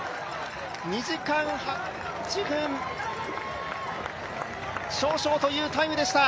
２時間８分少々というタイムでした。